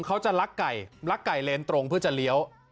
เขาจะลักไก่ลักไก่เลนตรงเพื่อจะเลี้ยว